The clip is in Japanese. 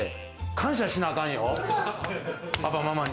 感謝しなあかんよ、パパ、ママに。